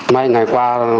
mấy ngày qua